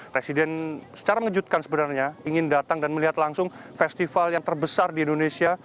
presiden secara mengejutkan sebenarnya ingin datang dan melihat langsung festival yang terbesar di indonesia